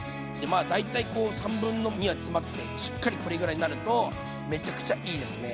まあ大体こう2/3は詰まっててしっかりこれぐらいになるとめちゃくちゃいいですね。